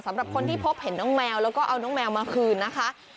สำหรับคนที่พบเห็นน้องแมวแล้วก็เอาน้องแมวมาคืนนะคะ